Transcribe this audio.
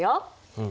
うん。